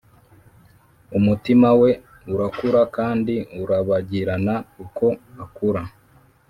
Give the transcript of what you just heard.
umutima we urakura kandi urabagirana uko akura.